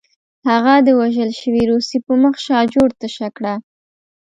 هغه د وژل شوي روسي په مخ شاجور تشه کړه